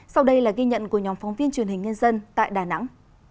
sau đây là ghi nhận của nhóm phóng viên truyền hình nhân dân tại đà nẵng